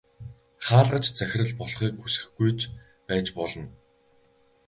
Хаалгач захирал болохыг хүсэхгүй ч байж болно.